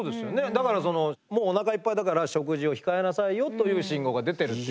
だからそのもうお腹いっぱいだから食事を控えなさいよという信号が出てるっていう。